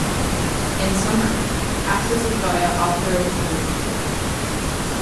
In summer, access is via off-road only.